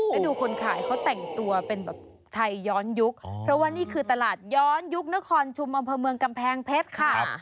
แล้วดูคนขายเขาแต่งตัวเป็นแบบไทยย้อนยุคเพราะว่านี่คือตลาดย้อนยุคนครชุมอำเภอเมืองกำแพงเพชรค่ะ